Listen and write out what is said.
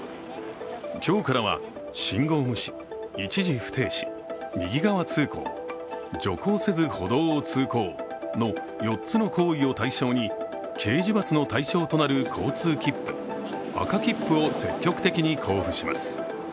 今日からは信号無視、一時不停止右側通行、徐行せず歩道を通行の４つの行為を対象に刑事罰の対象となる交通切符赤切符を積極的に交付します。